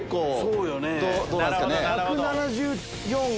そうよね。